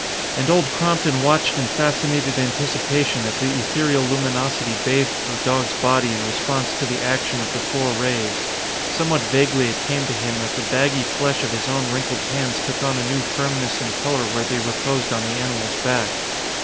And Old Crompton watched in fascinated anticipation as the ethereal luminosity bathed the dog's body in response to the action of the four rays. Somewhat vaguely it came to him that the baggy flesh of his own wrinkled hands took on a new firmness and color where they reposed on the animal's back.